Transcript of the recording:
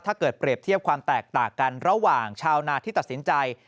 เปรียบเทียบความแตกต่างกันระหว่างชาวนาที่ตัดสินใจ